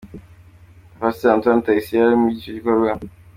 Pastor Antoine Rutayisire yari ari muri iki gikorwa.